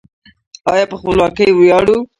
آیا په خپلواکۍ ویاړو؟